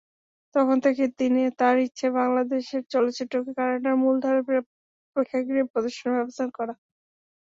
তখন থেকেই তাঁর ইচ্ছে বাংলাদেশের চলচ্চিত্রকে কানাডার মূলধারার প্রেক্ষাগৃহে প্রদর্শনের ব্যবস্থা করা।